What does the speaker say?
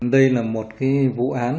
đây là một cái vụ án